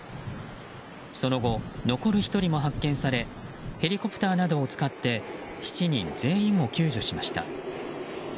その後、残る１人も発見されヘリコプターなどを使って７人全員を救助しました。